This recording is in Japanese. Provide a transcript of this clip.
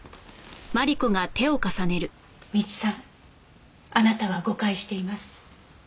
未知さんあなたは誤解しています。